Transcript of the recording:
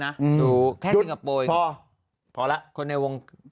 ไม่บอกแล้ว